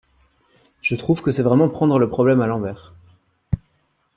Je trouve que c’est vraiment prendre le problème à l’envers.